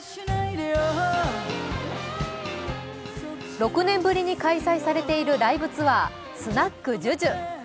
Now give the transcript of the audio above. ６年ぶりに開催されているライブツアー、スナックＪＵＪＵ。